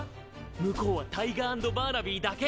向こうはタイガー＆バーナビーだけ。